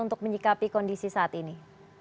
untuk menyikapi kondisi saat ini